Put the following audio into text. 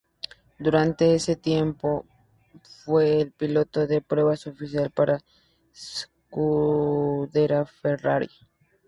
Durante ese tiempo fue el piloto de pruebas oficial para la Scuderia Ferrari.